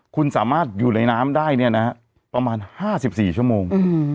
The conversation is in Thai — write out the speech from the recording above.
คุณสามารถอยู่ในน้ำได้เนี้ยนะฮะประมาณห้าสิบสี่ชั่วโมง